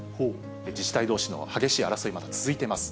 自治体どうしの激しい争い、続いています。